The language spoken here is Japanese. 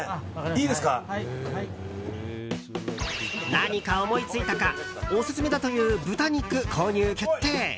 何か思いついたかオススメだという豚肉購入決定！